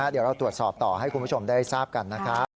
เดี๋ยวเราตรวจสอบต่อให้คุณผู้ชมได้ทราบกันนะครับ